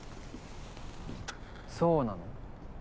そうなの？